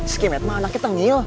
sikimet mah anaknya tengil